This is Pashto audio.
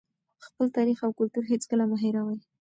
خپل تاریخ او کلتور هېڅکله مه هېروئ.